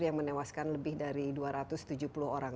yang menewaskan lebih dari dua ratus tujuh puluh orang